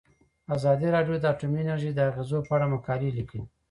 ازادي راډیو د اټومي انرژي د اغیزو په اړه مقالو لیکلي.